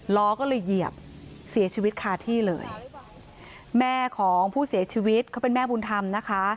ล้อก็เลยเหยียบเสียชีวิตคาที่เลยแม่ของผู้เสียชีวิตเขาเป็นแม่บุญธรรมนะคะ